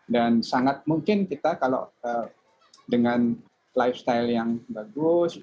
dan sangat mungkin kita kalau dengan lifestyle yang bagus